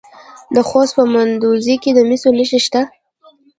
د خوست په مندوزیو کې د مسو نښې شته.